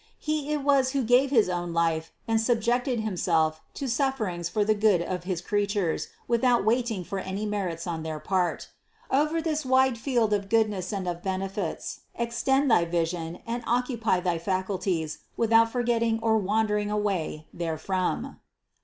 He it was who gave his own life and subjected Himself to suffer ings for the good of his creatures without waiting for any merits on their part. Over this wide field of good ness and of benefits extend thy vision and occupy thy faculties without forgetting or wandering away there from.